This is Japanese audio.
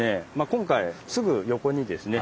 今回すぐ横にですね